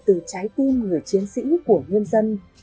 từ trái tim người chiến sĩ của nhân dân